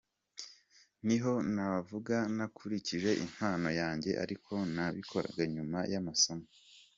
Niho navuga nakurije impano yanjye ariko nabikoraga nyuma y’amasomo.